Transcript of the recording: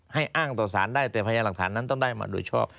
ให้อ้างต่อสารได้แต่พยานหลักฐานนั้นต้องได้มาโดยชอบ